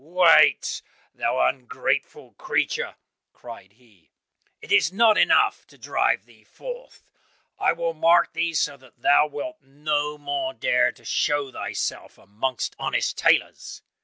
"Wait, thou ungrateful creature," cried he, "it is not enough to drive thee forth, I will mark thee so that thou wilt no more dare to show thyself amongst honest tailors."